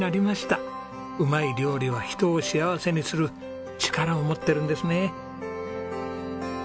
うまい料理は人を幸せにする力を持ってるんですね。